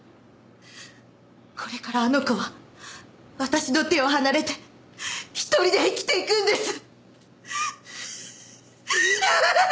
これからあの子は私の手を離れて１人で生きていくんです。